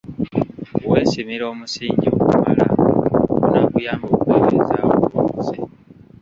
"Weesimira omusingi ogumala, ogunaakuyamba okwebeezaawo ng'okuze."